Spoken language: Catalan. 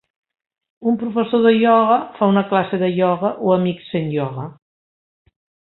Un professor de ioga fa una classe de ioga o amics fent ioga.